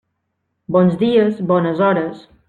Bons dies, bones hores.